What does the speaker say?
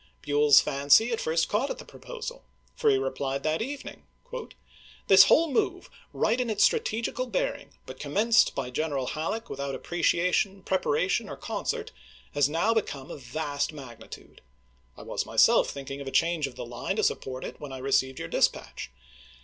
Buell's fancy at first caught at the proposal, for he replied that evening :" This whole move, right in its strategical bearing, but commenced by General Halleck without appreciation, preparation, or con cert, has now become of vast magnitude. I was myself thinking of a change of the line to support it when I received your dispatch.